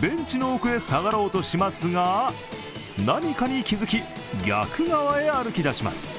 ベンチの奥へ下がろうとしますが何かに気付き、逆側へ歩き出します